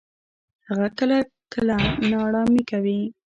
هغه کله کله ناړامي کوي.